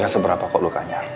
gak seberapa kok lukanya